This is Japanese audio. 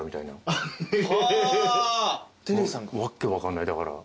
訳分かんないだから。